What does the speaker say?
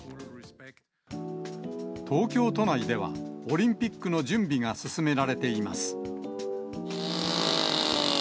東京都内では、オリンピックの準備が進められています。